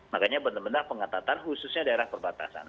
makanya benar benar pengetatan khususnya daerah perbatasan